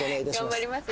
頑張ります